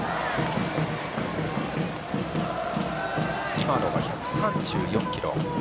今のが１３４キロ。